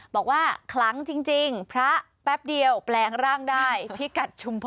คลังจริงพระแป๊บเดียวแปลงร่างได้พิกัดชุมพร